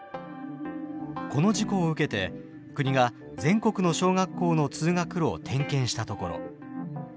この事故を受けて国が全国の小学校の通学路を点検したところ。